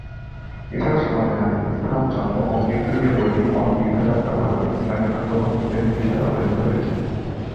এছাড়া সমাজে নারীর স্থান, জন্ম ও মৃত্যু নিয়ে বৈদিক মত, তীর্থযাত্রা, ভারতে ইসলামের আগমন ইত্যাদি বিষয়ও আলোচিত হয়েছে।